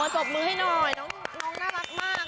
ตบมือให้หน่อยน้องน่ารักมาก